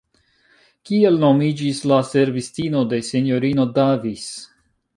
Kiel nomiĝis la servistino de S-ino Davis?